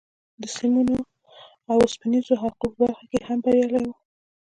د سیمونو او اوسپنیزو حلقو په برخه کې هم بریالی و